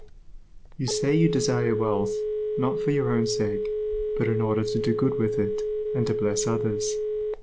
You say you desire wealth, not for your own sake, but in order to do good with it, and to bless others.